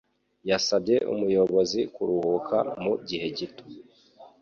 Yasabye umuyobozi kuruhuka mu gihe gito.